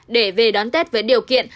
để về đón tết với điều kiện